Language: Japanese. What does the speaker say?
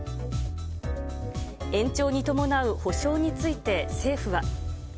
延長に伴う補償について政府は。